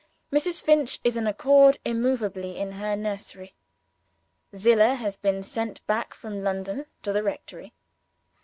Mrs. Finch is anchored immovably in her nursery. Zillah has been sent back from London to the rectory.